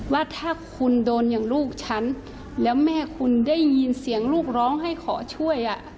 ว่าถ้าคุณโดนอย่างลูกฉันแล้วแม่คุณได้ยินเสียงลูกร้องให้ขอช่วย